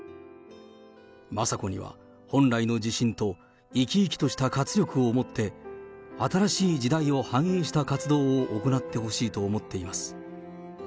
雅子には、本来の自信と生き生きとした活力を持って、新しい時代を反映した活動を行ってほしいと思っています。